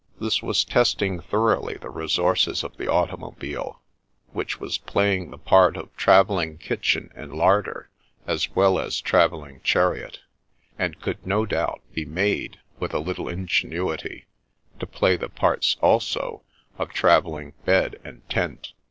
This was testing thoroughly the re sources of the automobile, which was playing the part of travelling kitchen and larder as well as travelling chariot, and could no doubt be made, with a little ingenuity, to play the parts also of travelling bed and tent.